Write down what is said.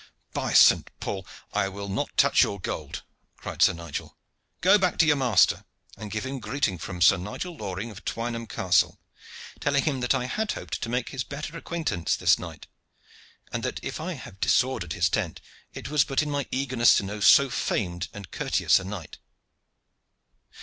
"By Saint Paul! I will not touch your gold," cried Sir Nigel. "Go back to your master and give him greeting from Sir Nigel Loring of Twynham Castle, telling him that I had hoped to make his better acquaintance this night, and that, if I have disordered his tent, it was but in my eagerness to know so famed and courteous a knight.